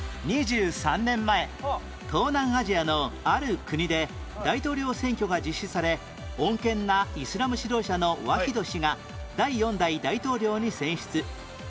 ２３年前東南アジアのある国で大統領選挙が実施され穏健なイスラム指導者のワヒド氏が第４代大統領に選出